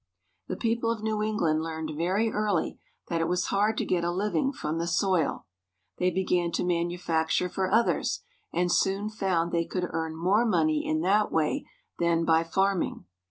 The people of New England learned very early that it was hard to get a living from the soil. They began to manufacture for others, and soon found they could earn more money in that way than by farming.